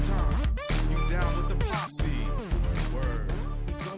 occupation hal lik diam